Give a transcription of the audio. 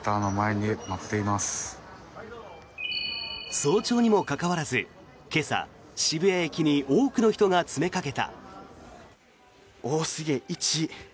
早朝にもかかわらず今朝、渋谷駅に多くの人が詰めかけた。